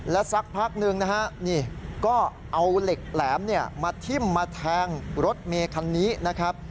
แล้วสักพักนึงนะฮะก็เอาเห็นเหล็กแหลมมาถิ่มแท็งรถมีคันนี้นะครับ